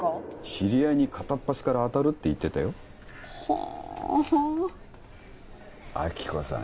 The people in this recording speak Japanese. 知り合いに片っ端から当たるって言ってたよはあ亜希子さん